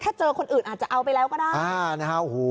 ถ้าเจอคนอื่นอาจจะเอาไปแล้วก็ได้